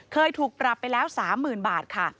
เคยถูกปรับไปแล้ว๓๐๐๐บาทค่ะ